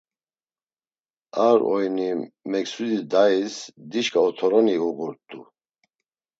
Ar oyni Meksudi dayis dişǩa otoroni uğurt̆u.